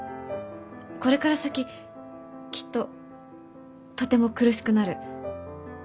これから先きっととても苦しくなる。